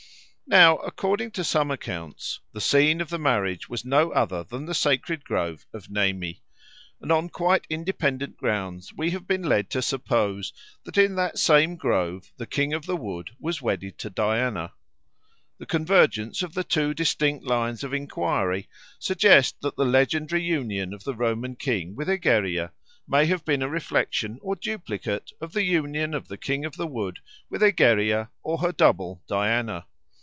Now, according to some accounts, the scene of the marriage was no other than the sacred grove of Nemi, and on quite independent grounds we have been led to suppose that in that same grove the King of the Wood was wedded to Diana. The convergence of the two distinct lines of enquiry suggests that the legendary union of the Roman king with Egeria may have been a reflection or duplicate of the union of the King of the Wood with Egeria or her double Diana.